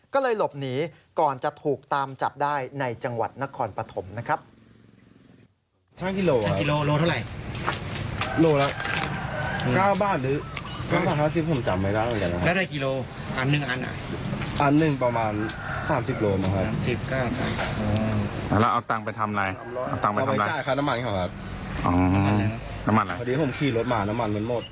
ก็เลยหลบหนีก่อนจะถูกตามจับได้ในจังหวัดนครปฐมนะครับ